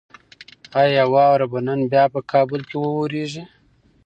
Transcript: ایا واوره به نن بیا په کابل کې وورېږي؟